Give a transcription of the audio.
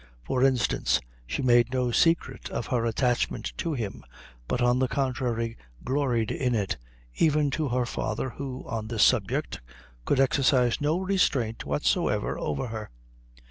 For instance, she made no secret of her attachment to him, but on the contrary, gloried in it, even to her father, who, on this subject, could exercise no restraint whatsoever over her.